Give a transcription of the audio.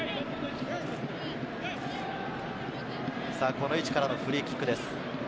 この位置からのフリーキックです。